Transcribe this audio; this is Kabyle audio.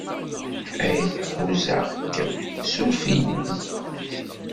Ay, ḥuzaɣ-k, ssuref-iyi!